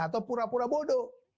atau pura pura bodoh